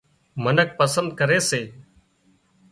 منک پسند ڪري سي